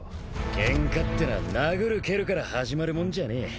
ケンカってのは殴る蹴るから始まるもんじゃねえ。